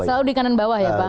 selalu di kanan bawah ya pak